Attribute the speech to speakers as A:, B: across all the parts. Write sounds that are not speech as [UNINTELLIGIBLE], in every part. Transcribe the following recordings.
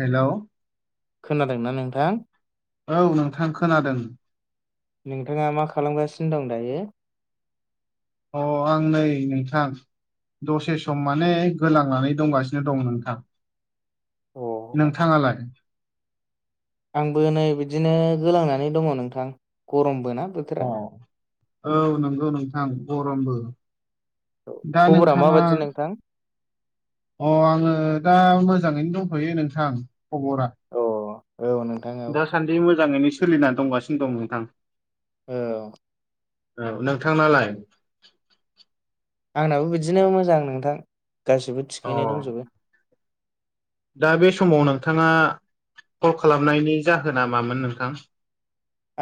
A: हेल'
B: खोनादोंना नोंथां
A: औ नोंथां खोनादों।
B: नोंथाङा मा खालामगासिनो दं दायो?
A: अ आं नै नोंथां दसे सम माने गोलांनानै दंगासिनो दं नोंथां।
B: अ
A: नोंथाङालाय?
B: आंबो नै बिदिनो गोलांनानै दङ नोंथां गरमबो ना।
A: अ
B: बोथोरा
A: औ नंगौ नोंथां गरमबो। दा
B: खबरा
A: नोंथाङा
B: माबादि नोंथां
A: अ आङो दा मोजाङैनो दंथ'यो नोंथां। खबरा
B: अ औ नोंथां औ
A: दासान्दि मोजाङैनो सोलिना दंगासिनो दं नोंथां।
B: औ।
A: औ नोंथांनालाय?
B: आंनाबो बिदिनो मोजां नोंथां गासिबो
A: अ
B: थिखैनो दंजोबो
A: दा बे समाव नोंथाङा कल खालामनायनि जाहोना मामोन नोंथां?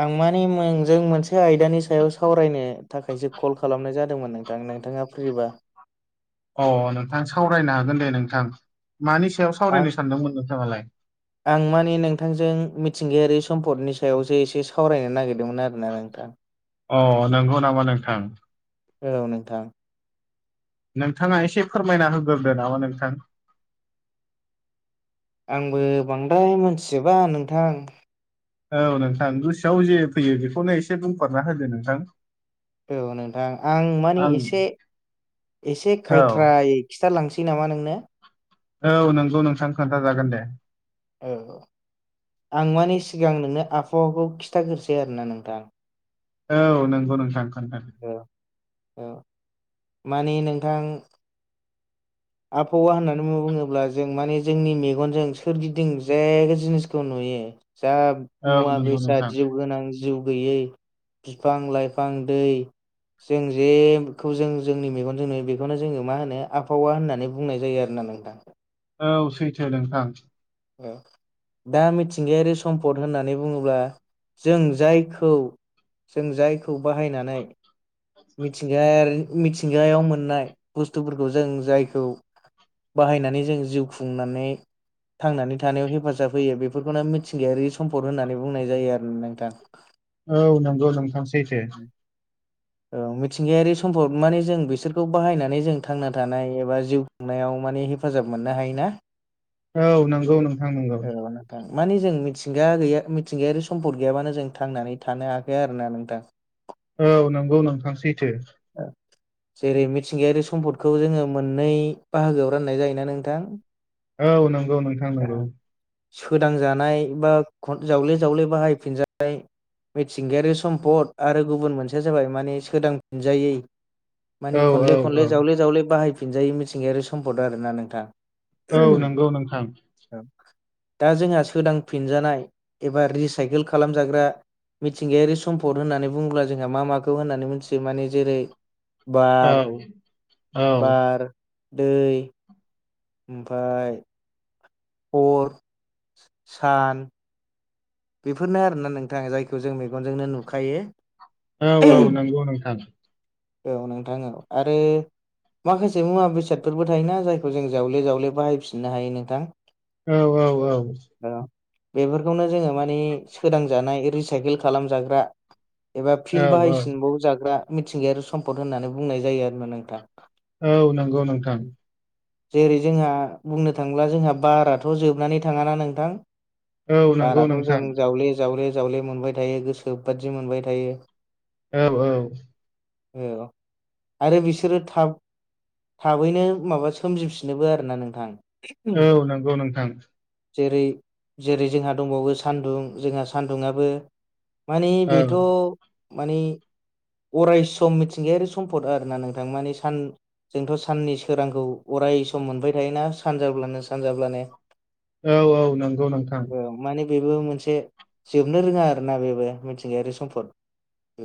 B: आं माने नोंजों मोनसे आयदानि सायाव सावरायनो थाखायसो कल खालामनाय जादोंमोन नोंथां नोंथाङा फ्रिबा
A: अ नोंथां सावरायनो हागोन दे नोंथां मानि सायाव
B: आं
A: सावरायनो सानदोंमोन नोंथाङालाय?
B: आं माने नोंथांजों मिथिंगायारि सम्पदनि सायावसो एसे सावरायनो नागिरदोंमोन आरो
A: अ नंगौ नामा नोंथां?
B: औ नोंथां।
A: नोंथाङा एसे फोरमायना होग्रोदो नामा नोंथां।
B: आंबो बांद्राय मोनथिजोबा नोंथां।
A: औ नोंथां गोसोआव जे फैयो बेखौनो एसे बुंफोरना होदो नोंथां।
B: औ नोंथां आं माने एसे एसे
A: औ
B: खायथ्रायै खिन्थालांसै नामा नोंनो?
A: औ नोंगौ नोंसां खोन्थाजागोन दे
B: औ आं माने सिगां नोंनो आबहावाखौ खिथाग्रोनोसै आरोना नोंथां।
A: औ नोंगौ नोंथां खोन्थादों।
B: द [UNINTELLIGIBLE] माने नोंथां आबहावा होननानै बुङोब्ला जों माने जोंनि मेगनजों सोरगिदिं जे जिनिसखौ नुयो। जा
A: औ
B: मुवा
A: नंगौ नोंथां
B: बेसाद जिउ गोनां जिउ गैयै बिफां लाइफां दै जों जेखौ जों जोंनि मेगनजों नुयो बेखौनो जोङो मा होनो आबहावा होननानै नानै बुंनाय जायो आरोना नोंथां
A: औ सैथो नोंथां।
B: दा मिथिंगायारि सम्पद होननानै बुङोब्ला जों जायखौ जों जायखौ बाहायनानै मिथिंगायारि मिथिंगायाव मोननाय बुस्थुफोरखौ जों जायखौ बाहायनानै जों जिउ खुंनानै थांनानै थानायाव हेफाजाब होयो बेफोरखौनो मिथिंगायारि सम्पद होननानै बुंनाय जायो आरो नोंथां।
A: औ नंगौ नोंथां सैथो।
B: औ मिथिंगायारि सम्फद माने जों बिसोरखौ बाहायनानै जों थांना थानाय एबा जिउ नायाव माने हेफाजाब मोननो हायोना।
A: औ नंगौ नोंथां नंगौ।
B: औ नोंथां माने जों मिथिंगा गैया मिथिंगायारि सम्फद गैयाबानो जों थांनानै थानो हायाखै आरो ना नोंथां।
A: औ नंगौ नोंथां सैथो।
B: औ जेरै मिथिंगायारि सम्पदखौ जोङो मोननै बाहागोआव राननाय जायोना नोंथां
A: औ नंगौ नोंथां नंगौ
B: सोदांजानाय बा जावले जावले बाहायफिनजानाय मिथिंगायारि सम्पद आरो गुबुन मोनसेया जाबाय माने सोदांफिनजायै
A: औ
B: माने
A: औ
B: खनले
A: औ
B: खनले जावले जावले बाहायफन फिनजायै मिथिंगायारि सम्पद आरोना नोंथां
A: औ नंगौ नोंथां
B: औ दा जोंहा सोदांफिनजानाय एबा रिसाइकेल खालामजाग्रा मिथिंगायारि सम्पद होननानै बुङोब्ला जोंहा मा माखौ होननानै मिथियो माने जेरै
A: औ
B: बार
A: औ
B: बार दै ओमफाय अर सान बेफोरनो आरोना नोंथाङा जायखौ जों मेगनजोंनो नुखायो
A: औ औ नंगौ नोंथां
B: औ नोंथां औ आरो माखासे मुवा बेसादफोरबो थायोना जायखौ जों जावले जावले बाहायफिननो हायो नोंथां
A: औ औ औ
B: बेफोरखौनो जोङो मानि सोदांजानाय रिसाइकेल खालामजाग्रा एबा फिन
A: औ औ
B: बाहायसिनबाव जाग्रा मिथिंगायारि सम्पद होननानै बुंनाय जायो आरोना नोंथां
A: औ नंगौ नोंथां
B: जेरै जोंहा बुंनो थांला जोंहा बाराथ' जोबनानै थाङाना नोंथां
A: औ नंगौ
B: बाराथ' जों
A: नोंथां
B: जावले जावले जावले मोनबाय थायो गोसो बादि मोनबाय थायो
A: औ औ
B: औ आरो बिसोरो थाब थाबैनो माबा सोमजिफिनोबो आरो ना नोंथां
A: औ नंगौ नोंथां
B: जेरै जेरै जोंहा दंबावो सान्दुं जोंहा सान्दुंआो माने
A: औ
B: बेथ' माने अरायसम मिथिंगायारि सम्फद आरोना नोंथां मानि सान जोंथ' साननि सोरांखौ अराय सम मोनबाय थायोना सानजाब्लानो सानजाब्लानो
A: औ औ नंगौ नोंथां
B: माने बेबो मोनसे जोबनो रोङा आरोोना बेबो मिथिंगायारि सम्फद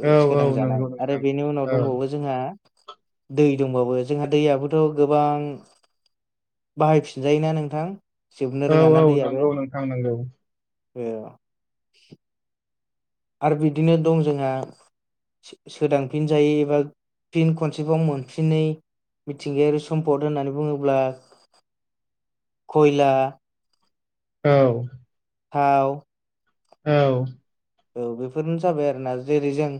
A: औ औ
B: सोदांजानाय
A: नंगौ
B: आरो
A: नोंथां
B: बेनि उनाव
A: औ
B: दंबावो जोंहा दै दंबाबो जोंहा दैयाबोथ' गोबां बाहायफिनजायोना नोंथां जोबनो
A: औ
B: रोङाना
A: औ नंगौ नोंथां नांगौ
B: ओ आरो बिदिनो दं जोंहा सोदांफिनजायो एबा फिन खनसेबाव मोनफिनै मिथिंगायारि सम्पद होननानै बुङोब्ला खयला
A: औ
B: थाव
A: औ
B: औ बेफोरनो जाबाय आरोना जेरै जों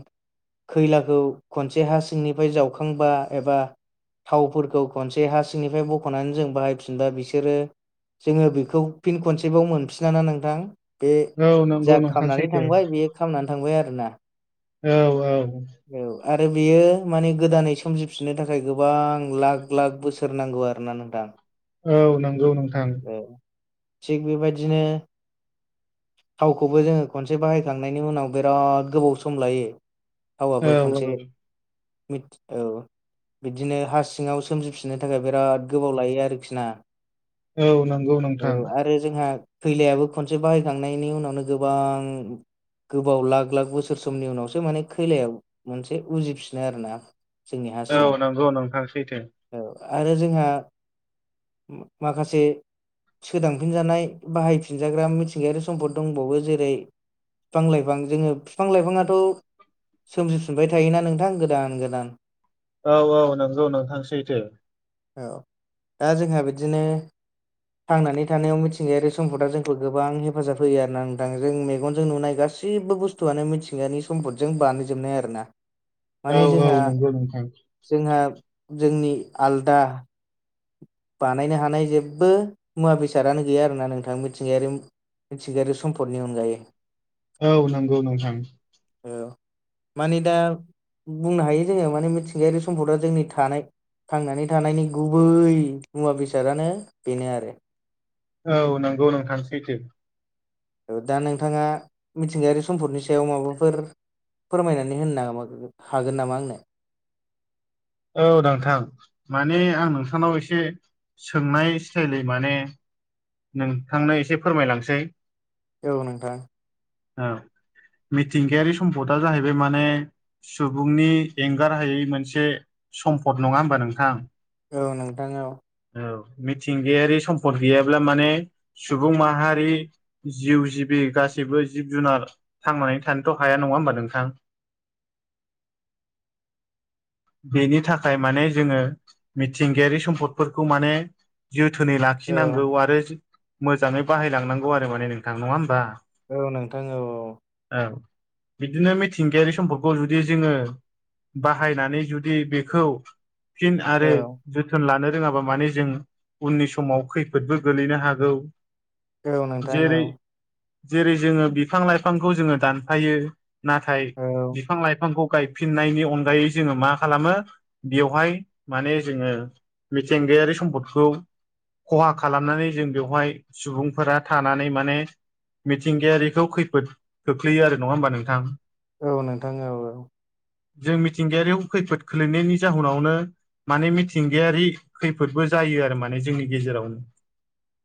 B: खैलाखौ खनसे हा सिंनिफ्राय जावखांबा एबा थावफोरखौ खनसे हा सिंनिफ्राय बख'नानै जों बाहायफिनबा बिसोरो जोङो बेखौ फिन खनसेबटाव मोनफिनाना नोंथां बे
A: औ नंगौ
B: जा
A: नोंथां
B: खामनानै
A: सैथो
B: बे खालामामनानै थांबाय आरोना
A: औ-औ
B: औ आरो बेयो माने गोदानै सोमजिफिननो थाखाय गोबां लाख लाख बोसो सोर नांगौ आरोना नोंथां
A: औ नंगौ नोंथां
B: औ थिग बेबायदिनो थावखौबो जोङो खनसे बाहायखांनायनि उनाव बिराद गोबाव सम लायो थावाबो
A: औ औ
B: खनसे मि औ बिदिनो हा सिङाव सोमजिफिननो थाखाय बिराद गोबाव लायो आरोखि ना
A: औ नंगौ नं
B: औ आरो जोंहा खैलायाबो खनसे बाहायखांनायनि उनावनो गोबां गोबाव लाख लाख बोसोर समनि उनावसो माने खैलायाव मोनसे उजिफिनो आरो ना जोंनि हा सिङाव
A: औ नंगौ नोंथां सैथों
B: औ आरो जोंहा माखासे सोदांफिनजानाय बाहायफिनजाग्रा मिथिंगायारि सम्फद दंबावो जेरै बिफां लाइफां जोङो बिफां लाइफाङाथ' सोमजिफिनबाय थायोना नोंथां गोदान गोदान
A: औ-औ नंगौ नोंथां सैथो
B: औ दा जोंहा बिदिनो थांनानै थानायाव मिथिंगायारि सम्पदा जोंखौ गोबां हेफाजाब होयो आरोना नोंथां जों मेगनजों नुनाय गासिबो जेबो बुस्थुआनो मिथिंगानि सम्फदजों बानायजोबनाय आरो ना
A: औ
B: माने
A: औ
B: जोंहा
A: नंगौ नोंथां
B: जोंहा जोंनि आलदा बानायनो हानाय जेबो मुवा बेसादानो गैया आरोना नोंथां मिथिंगायारि मिथिंगायारि सम्पदनि अनगायै
A: औ नंगौ नोंथां
B: औ माने दा बुंनो हायो जोङो माने मिथिंगायारि सम्पदआ जोंनि थानाय थांनानै थानायनि गुबै मुवा बेसादानो बेनो आरो
A: औ नंगौ नोंथां सैथो
B: दा नोंथाङा मिथिंगायारि सम्पदनि सायाव माबाफोर फोरमायनानै होनोना हागोन नामा आंनो
A: औ नांथां माने आं नोंथांनाव एसे सोंनाय स्टाइलै माने नोंथांनो एसे फोरमायलांसै
B: औ नोंथां
A: औ मिथिंगायारि सम्पदा जाहैबाय माने सुबुंनि एंगार हायै मोनसे सम्पद नङा होमबा नोंथां
B: औ नोंथां औ
A: औ मिथिंगायारि सम्पद गैयाब्ला माने सुबुं माहारि जिउ जिबि गासैबो जिब जुनार थांनानै थानोथ' हाया नङा होमबा नोंथां
B: [INAUDIBLE]
A: बेनि थाखाय माने जोङो मिथिंगायारि सम्पदफोरखौ माने जोथोनै
B: औ
A: लाखिनांगौ आरो मोजाङै बाहायलांनांगौ आरो माने नोंथां नङा होमबा
B: औ नोंथां औ
A: औ बिदिनो मिथिंगायारि समफोरखौ जुदि जोङो बाहायनानै जुदि बेखौ फिन आरो
B: औ
A: जोथोन लानो रोङाबा माने जों उननि समाव खै फोदबो गोलैनो हागौ
B: औ औ नोंथां औ
A: जेरै जेरै जोङो बिफां लाइफांखौ जोङो दानफायो नाथाय
B: औ
A: बिफां लाइफांखौ गाय फिननायनि अनगायै जोङो मा खालामो बेवहाय माने जोङो मिथिंगायारि सम्पदखौ खहा खालामनानै जों बेवहाय सुबुंफोरा थानानै माने मिथिंगायारिखौ खैफोद खोख्लैयो आरो नङा होमबा नोंथां
B: औ नोंथां औ औ
A: जों मिथिंगायारि खैफोद खोलैनायनि जाहोनावनो माने मिथिंगायारि खैफोदबो जायो आरो माने जोंनि गेजेरावनो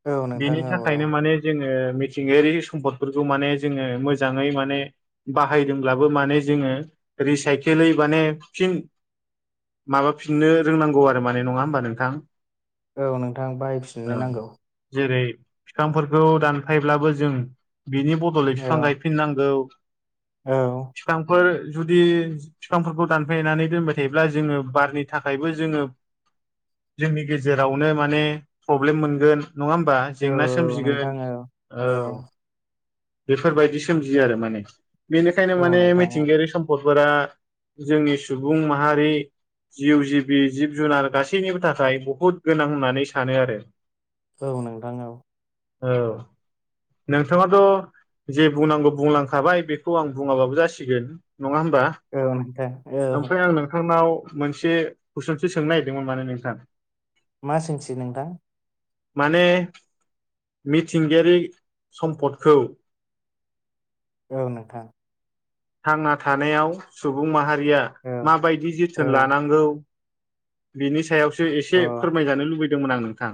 B: औ औ नोंथां
A: बेनि
B: औ
A: थाखायनो माने जोङो मिथिंगायारि सम्पदफोरखौ माने जोङो मोजाङै माने बाहायदोंब्लाबो माने जोङो रिसाइकेलै माने फिन माबाफिननो रोंनांगौ आरो माने नङा होमबा नोंथां
B: औ नोंथां बाइक
A: औ जेरै बिफांफोरखौ दानफायब्लाबो जों बिनि गलै बिफां
B: औ
A: गायफिननांगौ
B: औ
A: बिफांफोर जुदि बिफांफोरखौ दानफ्लेनानै दोनबाय थायोब्ला जोङो बारनि थाखायबो जोङो जोंनि गेजेरावनो माने प्रब्लेम मोनगोन नङा होमबा जेंना
B: औ नोंथां
A: सोमजिगोन
B: औ
A: औ बेफोरबायदि सोमजियो आरो माने बेनिखायनो
B: औ
A: माने
B: नोंथां औ
A: मिथिंगायारि सम्पदफोरा जोंनि सुबुं माहारि जिउ जिबि जिब जुनार गासैनिबो थाखाय बहुत गोनां होननानै सानो आरो
B: औ नोंथाङाव
A: औ नोंथाङाथ' जे बुंनांगौ बुंलांखाबाय बेखौ आं बुङाबाबो जासिगोन नङा होमबा
B: औ नोंथां औ
A: ओमफ्राय आं नोंथांनाव मोनसे कुइसनसो सोंनो नागिरदोंमोन माने नोंथां
B: मा सोंसै नोंथां
A: माने मिथिंगायारि सम्पदखौ
B: औ नोंथां
A: थांना थानायाव सुबुं माहारिया
B: औ
A: माबायदि जोथोन
B: औ
A: लानांगौ बिनि सायावसो एसे
B: अ
A: फोरमायजानो लुबैदों होदोंमोन आं नोंथां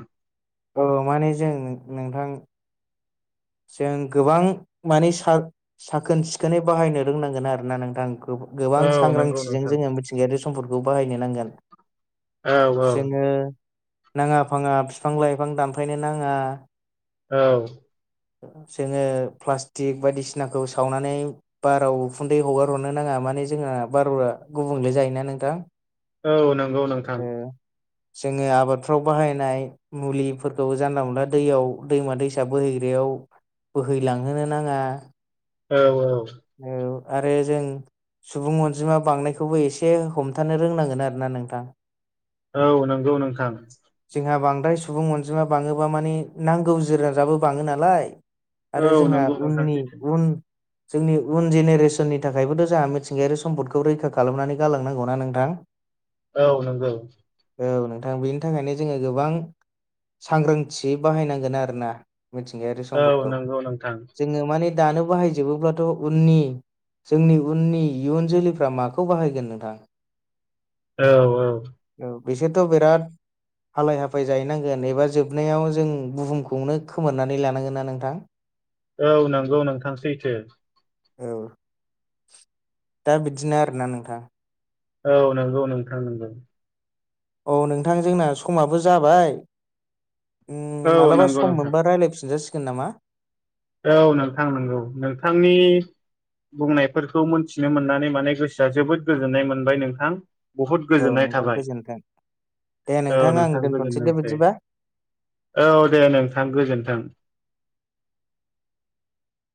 B: औ माने जों नोंथां जों गोबां माने साखोन सिखोनै बाहायनो रोंनांगोन आरोोना नोंथांखौ गोबां
A: औ नंगौ
B: सांग्रांथिजों
A: नोंथां
B: जोङो मिथिंगायारि समफोरखौ बाहायनो नांगोन
A: औ औ
B: जोङो नाङा फाङा बिफां लाइफां दानफायनो नाङा
A: औ
B: जोङो प्लास्टिक बायदिसिनाखौ सावनानै बाराव उखुन्दै हगाररनो नाङा माने जोंहा बार'ा गुबुंले जायोना नोंथां
A: औ नंगौ नोंथां
B: जोङो आबादफ्राव बाहायनाय मुलिफोरखौ जानला मोनला दैयाव दैमा दैसा बोहैग बेयाव बोहैलांहोनो नाङा
A: औ औ
B: औ आरो जों सुबुं अनजिमा बांनायखौबो एसे हमथानो रोंनांगोन आरो ना नोंथां
A: औ नंगौ नोंथां
B: जोंहा बांद्राय सुबुं अनजिमा बाङोबा माने नांगौ जिरा जाबो बाङो नालाय
A: औ
B: आरो जोंहा
A: नंगौ नोंथां
B: उननि
A: सैथो
B: उन जोंनि उन जेनेरेसननि थाखायबोथ' जोंहा मिथिंगायारि सम्पदखौ रैखा खालामनानै गालांनांगौनाा नोंथां [INAUDIBLE]
A: औ नंगौ
B: औ नोंथां बेनि थाखायनो जोङो गोबां सांग्रांथि बाहायनांगोन आरोोना मिथिंगायारि
A: औ
B: सम्पदखौ
A: नंगौ नोंथां
B: जोङो माने दानो बाहायजोबोब्ला न जोंनि उननि इयुन जोलैफ्रा माखौ बाहायगोन नोंथां [INAUDIBLE]
A: औ औ
B: औ बिसेरथ' बिराद हालाय हाफाय जाहैनांगोन एबा जोबनायाव जों बुहुमखौनो खोमोरनानै लानांगोन ना नोंथां
A: औ नंगौ नोंथांसैथो
B: औ दा बिदिनो आरोना नोंथां
A: औ नंगौ नोंथां नोंगौ
B: औ नोंथां जोंना समाबो जाबाय
A: औ
B: मालाबा
A: नंगौ
B: सम
A: नोंथां
B: मोनबा रायजलायफिन जाासिगोन नामा
A: औ नोंथां नंगौ नोंथांनि बुंनायफोरखौ मोनथिनो मोननानै माने गोसोआ जोबोद गोजोननाय मोनबाय नोंथां बहुद
B: औ
A: गोजोननाय
B: नोंथां
A: थाबाय
B: गोजोन्थों दे
A: औ
B: आं
A: नोंथां
B: दोनथ'नोसै दे
A: गोजोनथोंसै
B: बिदिबा
A: औ दे नोंथां गोजोन्थों